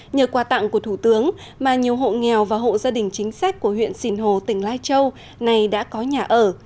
nhờ quà tặng của thủ tướng mà nhiều hộ nghèo và hộ gia đình chính sách của huyện sìn hồ tỉnh lai châu này đã có nhà ở